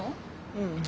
うん。